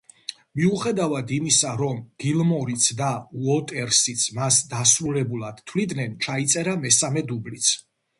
მიუხედავად იმისა, რომ გილმორიც და უოტერსიც მას დასრულებულად თვლიდნენ, ჩაიწერა მესამე დუბლიც.